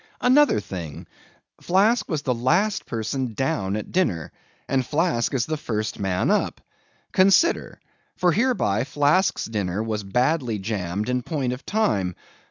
Another thing. Flask was the last person down at the dinner, and Flask is the first man up. Consider! For hereby Flask's dinner was badly jammed in point of time.